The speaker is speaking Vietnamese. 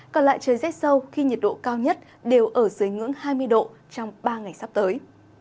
còn lại trời rét sâu khi nhiệt độ cao nhất đều ở dưới ngưỡng hai mươi độ trong ba ngày sắp tới